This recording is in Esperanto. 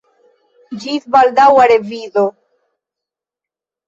Ĝis baldaŭa revido!